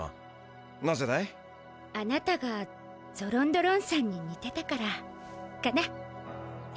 あなたがゾロンド・ロンさんににてたからかな。